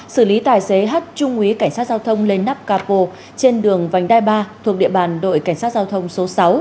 xử lý tài xế h trung úy cảnh sát giao thông lên nắp capo trên đường vành đai ba thuộc địa bàn đội cảnh sát giao thông số sáu